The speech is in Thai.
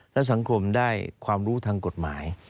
และสังคมได้ความรู้ทางกฎหมาย